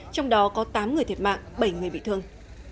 trong đó có tám người thiệt mạng bảy người bị thương